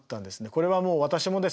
これはもう私もですね